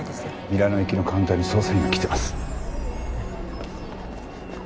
ミラノ行きのカウンターに捜査員が来てます。